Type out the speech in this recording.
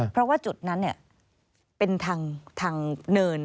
เพราะว่าจุดนั้นเป็นทางเนิน